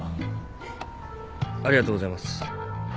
ありがとうございます。